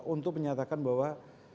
untuk menyatakan bahwa